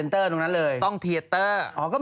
ตรงเทียเตอร์